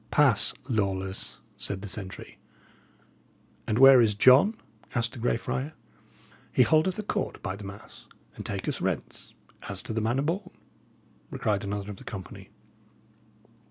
"Pass, Lawless," said the sentry. "And where is John?" asked the Grey Friar. "He holdeth a court, by the mass, and taketh rents as to the manner born!" cried another of the company.